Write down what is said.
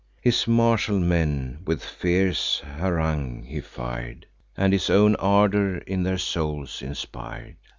His martial men with fierce harangue he fir'd, And his own ardour in their souls inspir'd.